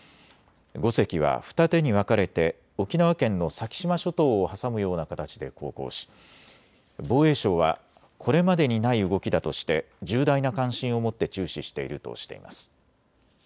５隻は二手に分かれて沖縄県の先島諸島を挟むような形で航行し防衛省はこれまでにない動きだとして重大な関心を持って注視しているとしています。